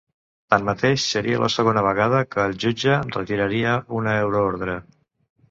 Tanmateix, seria la segona vegada que el jutge retiraria una euroordre.